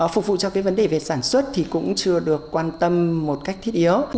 phục vụ cho cái vấn đề về sản xuất thì cũng chưa được quan tâm một cách thiết yếu